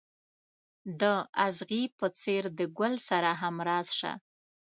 د اغزي په څېر د ګل سره همراز شه.